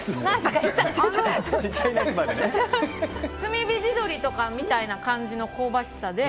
炭火地鶏みたいな感じの香ばしさで。